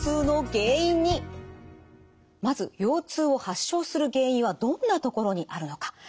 まず腰痛を発症する原因はどんなところにあるのか。